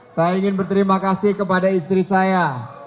saya ingin berterima kasih kepada istri saya